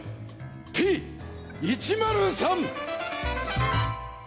Ｐ１０３！